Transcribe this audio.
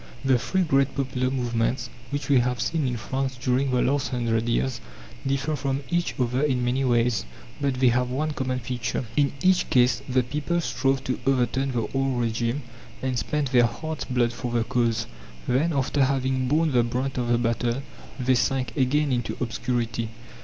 The three great popular movements which we have seen in France during the last hundred years differ from each other in many ways, but they have one common feature. In each case the people strove to overturn the old regime, and spent their heart's blood for the cause. Then, after having borne the brunt of the battle, they sank again into obscurity.